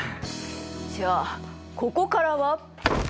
じゃあここからは。